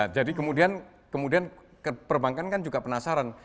jadi kemudian perbankan kan juga penasaran